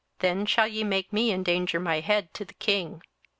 then shall ye make me endanger my head to the king.